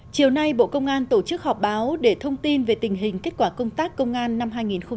chiều nay bộ công an tổ chức họp báo để thông tin về tình hình kết quả công tác công an năm hai nghìn hai mươi ba